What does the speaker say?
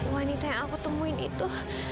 wanita yang aku temuin itu